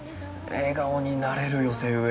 笑顔になれる寄せ植え。